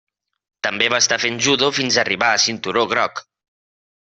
També va estar fent judo fins a arribar a cinturó groc.